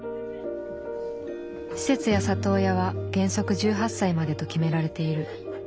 施設や里親は原則１８歳までと決められている。